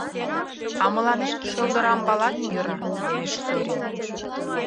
— А мыланем шӧлдырамбалат йӧра, — манеш Зорин.